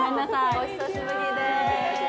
お久しぶりです。